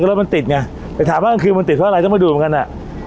รถมันติดไงไปถามว่ากลางคืนมันติดเพราะอะไรต้องมาดูเหมือนกันอ่ะ